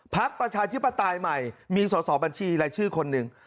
ประชาธิปไตยใหม่มีสอสอบัญชีรายชื่อคนหนึ่ง